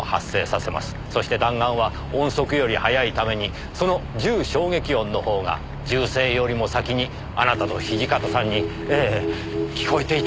そして弾丸は音速より速いためにその銃衝撃音の方が銃声よりも先にあなたと土方さんにええ聞こえていたはずなんですよ。